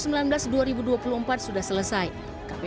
kpo telah menetapkan jokowi dodo dan maka haji ma'ruf amin sebagai pemerintah